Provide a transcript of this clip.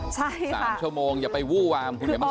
๓ชั่วโมงอย่าไปวู้วาม